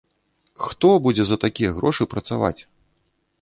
Хто будзе за такія грошы працаваць?